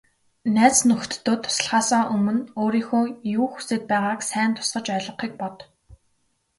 Найз нөхдөдөө туслахаасаа өмнө өөрийнхөө юу хүсээд байгааг сайн тусгаж ойлгохыг бод.